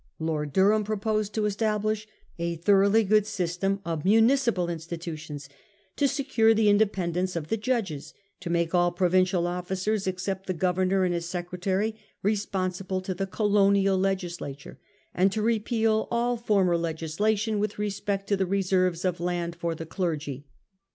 Lord Durham proposed to establish a thoroughly good system of municipal institutions ; to secure the independence of the judges ; to make all provincial officers, except the governor and his se cretary, responsible to the colonial legislature ; and to repeal all former legislation with respect to the reserves of land for the clergy.